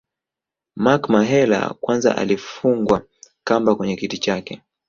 Mark Mahela kwanza alifungwa kamba kwenye kiti chake